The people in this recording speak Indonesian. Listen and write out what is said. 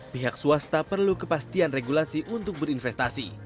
pihak swasta perlu kepastian regulasi untuk berinvestasi